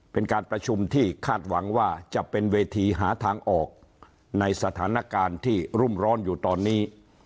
เป็นการประชุมที่คาดหวังว่าจะเป็นเวทีหาทางออกในสถานการณ์ที่รุ่มร้อนอยู่ตอนนี้